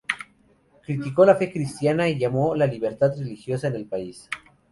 Criticó la fe cristiana, y llamó a la libertad religiosa en el país.